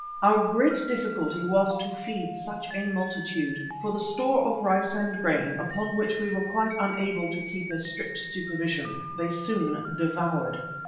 Our great difficulty was to feed such a multitude, for the store of rice and grain, upon which we were quite unable to keep a strict supervision, they soon devoured.